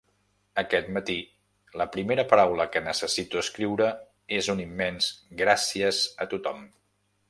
Aquest matí, la primera paraula que necessito escriure és un immens “gràcies” a tothom.